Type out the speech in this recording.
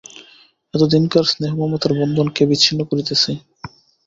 এতদিনকার স্নেহমমতার বন্ধন কে বিচ্ছিন্ন করিতেছে?